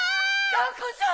がんこちゃん！